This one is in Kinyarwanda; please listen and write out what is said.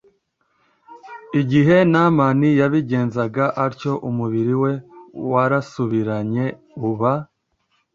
Igihe Naamani yabigenzaga atyo umubiri we warasubiranye uba